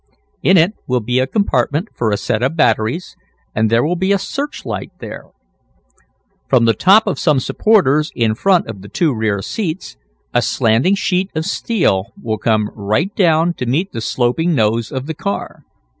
In it will be a compartment for a set of batteries, and there will be a searchlight there. From the top of some supporters in front of the two rear seats, a slanting sheet of steel will come right down to meet the sloping nose of the car.